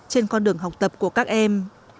trên con đường học tập của các em